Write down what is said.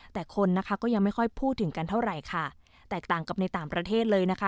แต่คนนะคะก็ยังไม่ค่อยพูดถึงกันเท่าไหร่ค่ะแตกต่างกับในต่างประเทศเลยนะคะ